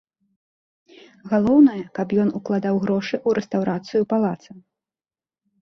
Галоўнае, каб ён укладаў грошы ў рэстаўрацыю палаца.